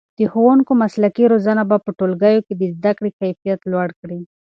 د ښوونکو مسلکي روزنه به په ټولګیو کې د زده کړې کیفیت لوړ کړي.